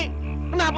kenapa dia menolakku